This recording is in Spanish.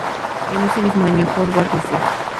En ese mismo año ¡Forward, Russia!